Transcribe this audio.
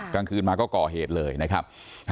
กลางคืนมาก็ก่อเหตุเลยนะครับ